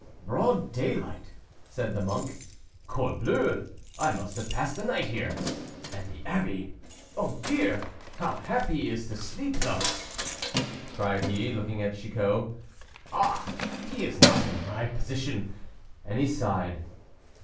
"Broad daylight!" said the monk. "Corbleu, I must have passed the night here. And the abbey! Oh, dear! How happy he is to sleep thus!" cried he, looking at Chicot. "Ah! he is not in my position," and he sighed.